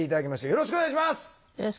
よろしくお願いします。